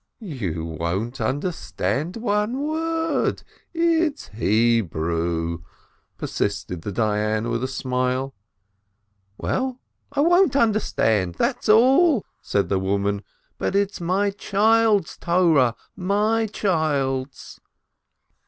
"But you won't understand one word, it's Hebrew !" persisted the Dayan, with a smile. "Well, I won't understand, that's all," said the woman, "but it's my child's Torah, my child's!"